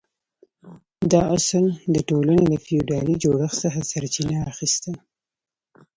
دا اصل د ټولنې له فیوډالي جوړښت څخه سرچینه اخیسته.